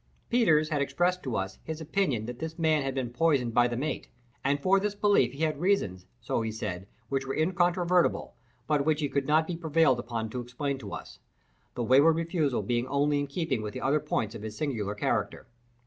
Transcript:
Peters had expressed to us his opinion that this man had been poisoned by the mate, and for this belief he had reasons, so he said, which were incontrovertible, but which he could not be prevailed upon to explain to us—this wayward refusal being only in keeping with other points of his singular character.